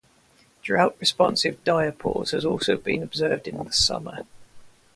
Drought-responsive diapause has also been observed in the summer.